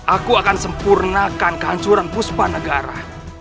aku akan sempurnakan kehancuran puspa negara